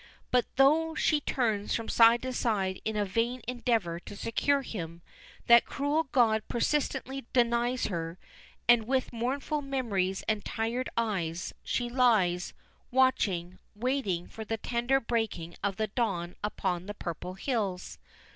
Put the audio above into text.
But though she turns from side to side in a vain endeavor to secure him, that cruel god persistently denies her, and with mournful memories and tired eyes, she lies, watching, waiting for the tender breaking of the dawn upon the purple hills.